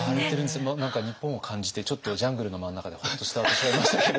何か日本を感じてちょっとジャングルの真ん中でホッとした私がいましたけれど。